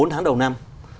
bốn tháng đầu năm